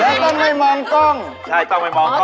แล้วเราไม่มองกล้องใช่กล้องไม่มองกล้อง